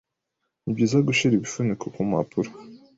Nibyiza gushira ibifuniko kumpapuro.